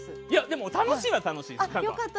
でも、楽しいは楽しいですよ。